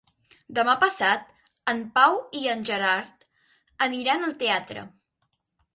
Demà passat en Pau i en Gerard aniran al teatre.